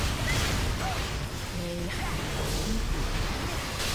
Meyah bgihur